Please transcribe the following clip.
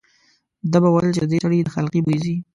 ده به ویل چې د دې سړي د خلقي بوی ځي.